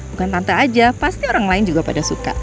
bukan tante aja pasti orang lain juga pada suka